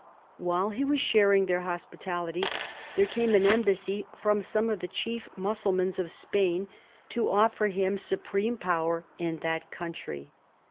AVbile be was sbaring tbeir hospitality, there came an embassy from some of the chief Mus sulmans of Spain to offer him supreme power in that country.